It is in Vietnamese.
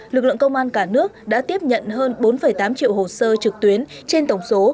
lực lượng công an cả nước đã tiếp nhận hơn bốn tám triệu hồ sơ trực tuyến trên tổng số